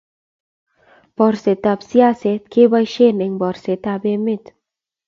borsetab siaset keboishen eng borsetab emet